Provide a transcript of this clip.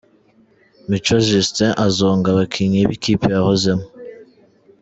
Mico Justin azonga abakinnyi b'ikipe yahozemo.